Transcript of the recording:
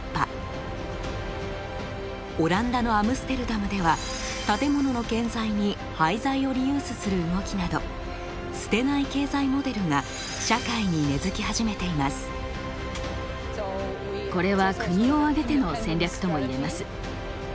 オランダのアムステルダムでは建物の建材に廃材をリユースする動きなど「捨てない経済モデル」が社会に根づき始めています。